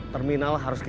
terminal harus kembali